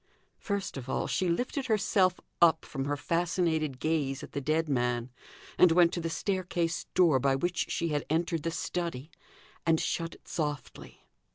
First of all she lifted herself up from her fascinated gaze at the dead man, and went to the staircase door, by which she had entered the study, and shut it softly.